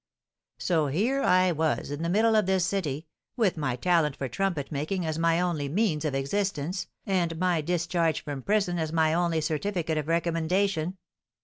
So here I was in the middle of this city, with my talent for trumpet making as my only means of existence, and my discharge from prison as my only certificate of recommendation.